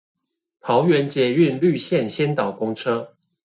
桃園捷運綠線先導公車